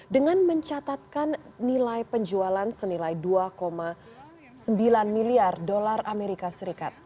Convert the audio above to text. dengan mencatatkan nilai penjualan senilai dua sembilan miliar dolar amerika serikat